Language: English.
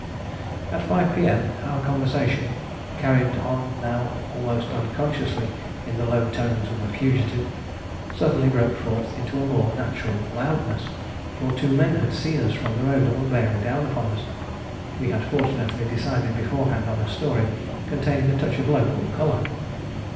At 5 P.M. our conversation, carried on now almost unconsciously in the low tones of the fugitive, suddenly broke forth into a more natural loudness; for two men had seen us from the road and were bearing down upon us. We had fortunately decided beforehand on a story containing a touch of local colour.